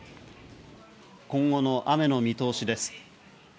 今後の雨の見通しです。